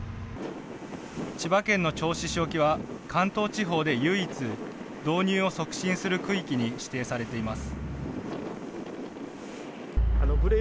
千葉県の銚子市沖は、関東地方で唯一、導入を促進する区域に指定されています。